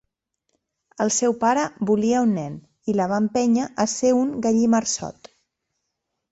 El seu pare volia un nen i la va empènyer a ser un gallimarsot.